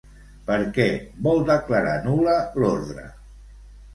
Per què vol declarar nul·la l'ordre?